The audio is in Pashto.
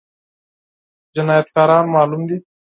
جنايتکاران معلوم دي؟